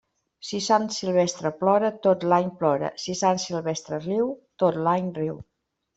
Si Sant Silvestre plora, tot l'any plora; si Sant Silvestre riu, tot l'any riu.